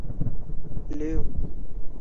蒙蒂涅。